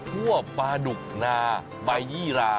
พวกปลาดุกนาใบยี่รา